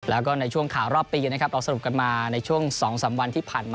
แล้วก็ในช่วงข่าวรอบปีนะครับเราสรุปกันมาในช่วง๒๓วันที่ผ่านมา